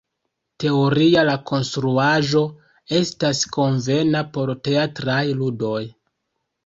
Teoria la konstruaĵo estas konvena por teatraj ludoj.